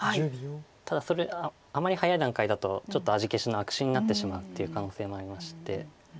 ただあまり早い段階だとちょっと味消しの悪手になってしまうという可能性もありまして。